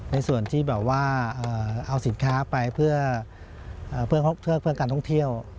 ในส่วนที่แบบว่าเอาสินค้าไปเพื่อการท่องเที่ยว